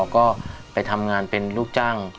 ก็ไปทำงานเป็นลูกจ้าง